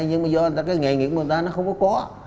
nhưng mà do cái nghề nghiệp của người ta nó không có